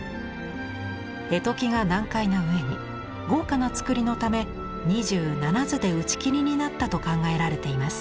絵解きが難解なうえに豪華な作りのため２７図で打ち切りになったと考えられています。